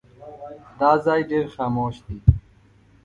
دا ځای ډېر خاموش دی.